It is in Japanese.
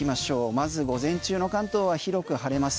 まず午前中の関東は広く晴れます。